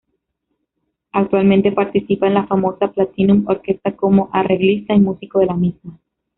Actualmente, participa en la famosa Platinum Orquesta como arreglista y músico de la misma.